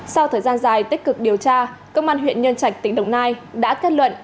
sau thời gian dài tích cực điều tra công an huyện nhân trạch tỉnh đồng nai đã kết luận